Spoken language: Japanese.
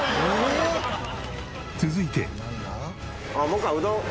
続いて。